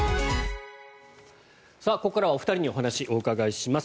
ここからはお二人にお話をお伺いします。